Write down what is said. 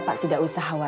bapak tidak usah khawatir